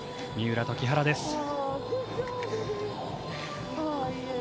三浦と木原です。